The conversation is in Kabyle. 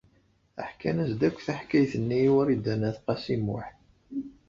Ḥkan-as-d akk taḥkayt-nni i Wrida n At Qasi Muḥ.